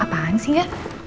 apaan sih ya